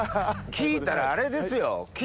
聞いたらあれですよ。